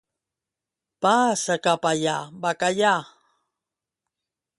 Passa cap allà, bacallà!